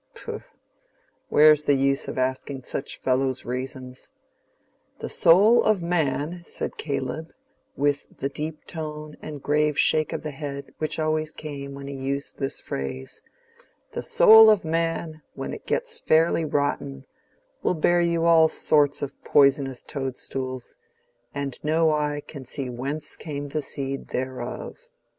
"Pooh! where's the use of asking for such fellows' reasons? The soul of man," said Caleb, with the deep tone and grave shake of the head which always came when he used this phrase—"The soul of man, when it gets fairly rotten, will bear you all sorts of poisonous toad stools, and no eye can see whence came the seed thereof."